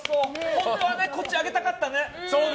本当はこっち上げたかったね。